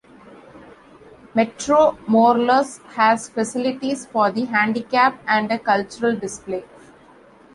Metro Morelos has facilities for the handicapped, and a cultural display.